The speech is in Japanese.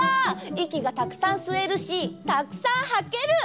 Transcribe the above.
いきがたくさんすえるしたくさんはける！